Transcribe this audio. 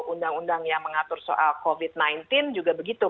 undang undang yang mengatur soal covid sembilan belas juga begitu